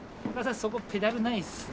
そこペダルないですね。